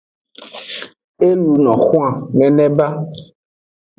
E luno xwan nene ba.